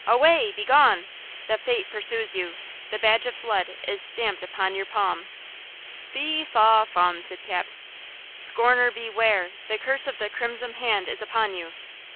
"Away! Begone! The fate pursues you! The badge of blood is stamped upon your palm!" "'Fee–faw–fum'" said Cap. "Scorner! Beware! The curse of the crimson hand is upon you!"